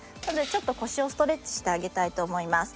ちょっと腰をストレッチしてあげたいと思います。